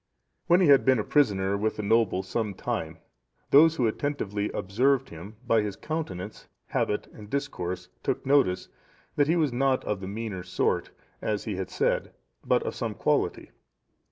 When he had been a prisoner with the noble some time, those who attentively observed him, by his countenance, habit, and discourse, took notice, that he was not of the meaner sort, as he had said, but of some quality.